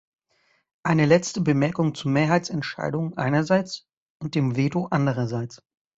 Eine letzte Bemerkung zu Mehrheitsentscheidungen einerseits und dem Veto andererseits.